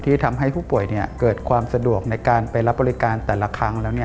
ที่ทำให้ผู้ป่วยเกิดความสะดวกในการไปรับบริการแต่ละครั้งแล้ว